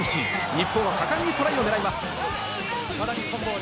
日本は果敢にトライを狙います。